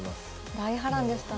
大波乱でしたね。